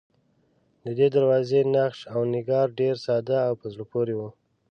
ددې دروازې نقش و نگار ډېر ساده او په زړه پورې و.